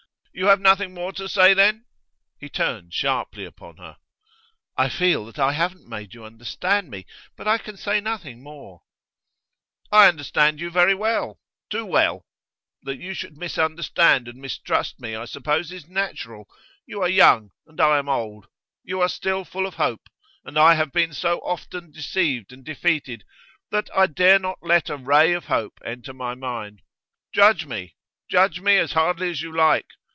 'You have nothing more to say, then?' He turned sharply upon her. 'I feel that I haven't made you understand me, but I can say nothing more.' 'I understand you very well too well. That you should misunderstand and mistrust me, I suppose, is natural. You are young, and I am old. You are still full of hope, and I have been so often deceived and defeated that I dare not let a ray of hope enter my mind. Judge me; judge me as hardly as you like.